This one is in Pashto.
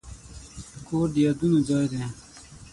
کور د یادونو ځای دی.